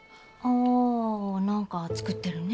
あ何か造ってるね。